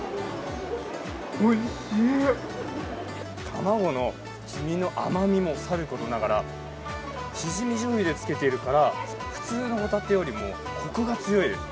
卵の黄身の甘みもさることながらしじみじょうゆで漬けているから、普通のホタテよりもコクが強い。